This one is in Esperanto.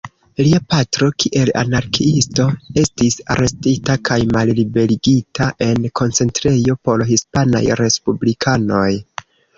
Lia patro, kiel anarkiisto, estis arestita kaj malliberigita en koncentrejo por hispanaj respublikanoj.